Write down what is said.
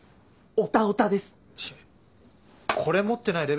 オタオタです！